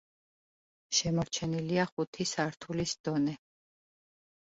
შემორჩენილია ხუთი სართულის დონე.